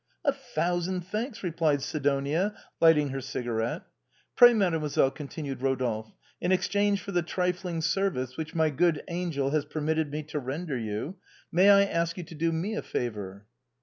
" A thousand thanks," replied Sidonia, lighting her cigarette. " Pray, mademoiselle," continued Eodolphe, " in ex change for the trifling service which my good angel has permitted me to render you, may I ask you to do me a favor